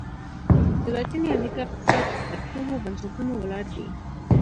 د لاتیني امریکا اقتصاد پر کومو بنسټونو ولاړ دی؟